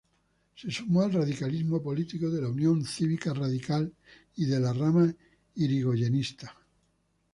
Se sumó al radicalismo político de la Unión Cívica Radical, de la rama yrigoyenista.